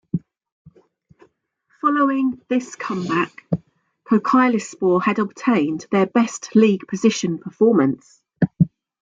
Following this comeback, Kocaelispor had obtained their best league position performance.